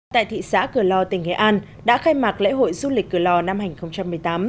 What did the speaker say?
tại thị xã cửa lò tỉnh nghệ an đã khai mạc lễ hội du lịch cửa lò năm hai nghìn một mươi tám